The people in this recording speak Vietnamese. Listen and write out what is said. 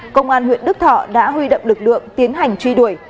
công an huyện đức thọ đã huy động lực lượng tiến hành truy đuổi